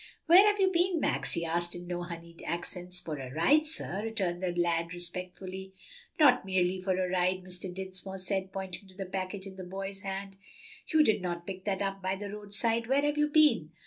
"Where have you been, Max?" he asked, in no honeyed accents. "For a ride, sir," returned the lad respectfully. "Not merely for a ride," Mr. Dinsmore said, pointing to the package in the boy's hand; "you did not pick that up by the roadside. Where have you been?"